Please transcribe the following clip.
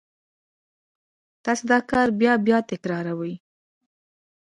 تاسې دا کار بیا بیا تکراروئ